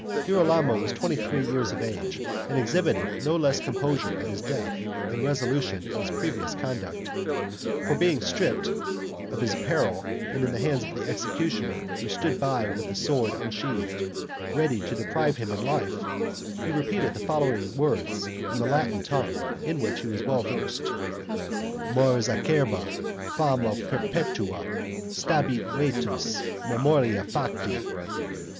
Girolamo was twenty three years of age, and exhibited no less composure at his death than resolution in his previous conduct, for being stripped of his apparel, and in the hands of the executioner, who stood by with the sword unsheathed, ready to deprive him of life, he repeated the following words, in the Latin tongue, in which he was well versed: "Mors acerba, fama perpetua, stabit vetus memoria facti."